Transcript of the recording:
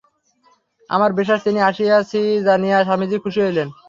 আমার বিশ্বাস, আমি আসিয়াছি জানিয়া স্বামীজি খুশি হইলেন।